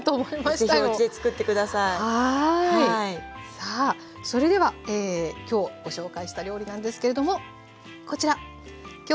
さあそれではきょうご紹介した料理なんですけれどもこちら「きょうの料理」